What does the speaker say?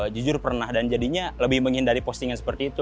jujur pernah dan jadinya lebih menghindari postingan seperti itu